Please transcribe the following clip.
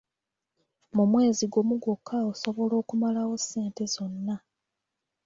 Mu mwezi gumu gwokka osobola okumalawo ssente zonna.